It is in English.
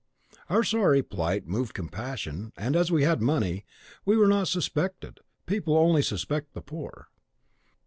Our sorry plight moved compassion, and as we had money, we were not suspected, people only suspect the poor.